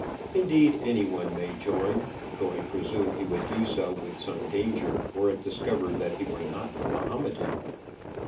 Indeed, any one may join; though I presume he would do so with some danger were it discovered that he were not a Mahomedan.